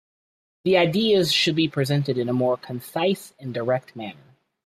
The ideas should be presented in a more concise and direct manner.